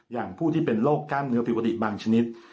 อย่างผู้ที่เป็นโรคกล้ามเนื้อผิดปกติบางชนิด